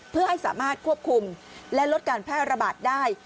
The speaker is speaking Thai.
เพื่อให้สามารถควบคุมและลดการแพร่ระบาดได้